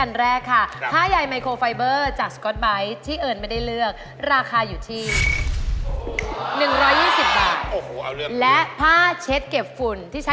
อันนี้มีเยอะกว่า